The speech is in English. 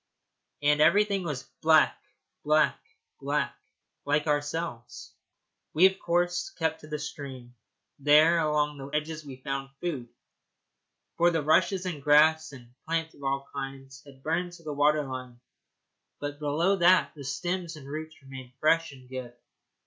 And everything was black, black, black like ourselves. We of course kept to the stream. There along the edges we found food, for the rushes and grass and plants of all kinds had burned to the water line, but below that the stems and roots remained fresh and good.